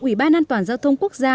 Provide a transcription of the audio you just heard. ủy ban an toàn giao thông quốc gia